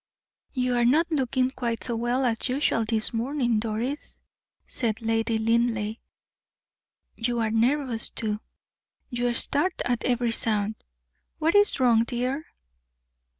"You are not looking quite so well as usual this morning, Doris," said Lady Linleigh. "You are nervous, too; you start at every sound. What is wrong, dear?"